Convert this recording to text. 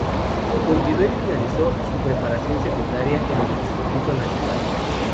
Continuó y finalizó su preparación secundaria en el Instituto Nacional.